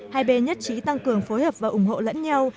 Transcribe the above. hai bên nhất trí tăng cường phối hợp và ủng hộ lẫn nhau